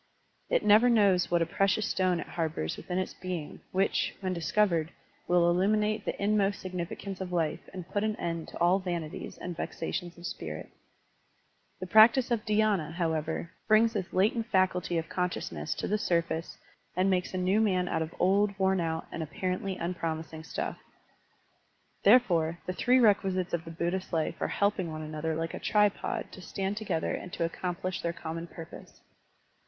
It never knows what a precious stone it harbors within its being, which, when discov ered, will illuminate the inmost significance of life and put an end to all vanities and vexations of spirit. The practice of dhy^na, however, brings this latent faculty of consciousness to the surface and makes a new man out of old, worn out, and apparently unpromising stuff. Therefore, the three requisites of the Buddhist life are helping one another like a tripod to stand together and to accomplish their common pur pose.